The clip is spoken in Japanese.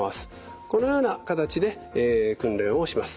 このような形で訓練をします。